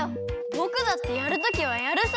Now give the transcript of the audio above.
ぼくだってやるときはやるさ！